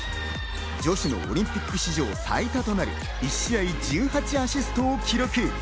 女子のオリンピック史上最多となる１試合１８アシストを記録。